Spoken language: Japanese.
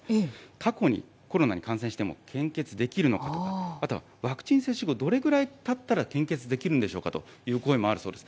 過去にコロナに感染しても献血できるのかとか、または、ワクチン接種後、どれくらいたったら献血できるんでしょうかという声もあるそうです。